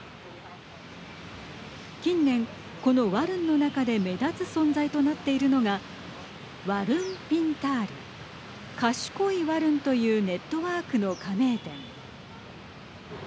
近年、このワルンの中で目立つ存在となっているのがワルン・ピンタール＝賢いワルンというネットワークの加盟店。